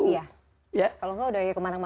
kalau enggak udah kemana mana lagi